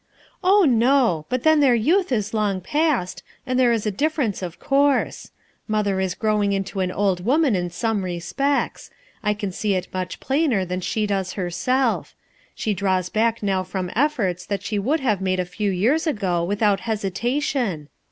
"Oh, no, but then their youth is long past, and there is a difference of course. Mother is growing into an old woman in some respects; I can see it much plainer than she does herself; she draws back now from efforts that she would have made a few years ago without hesi tation.